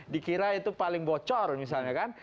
dikira itu paling bocor misalnya kan